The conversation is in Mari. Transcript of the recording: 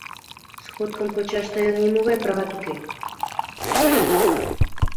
— Сходкым почаш тыйын нимогай прават уке!